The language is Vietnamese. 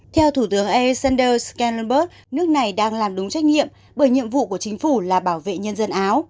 theo thủ tướng alexander scanlonburg nước này đang làm đúng trách nhiệm bởi nhiệm vụ của chính phủ là bảo vệ nhân dân áo